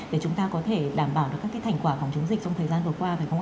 để chúng ta có thể đảm bảo được các thành quả phòng chống dịch trong thời gian vừa qua phải không ạ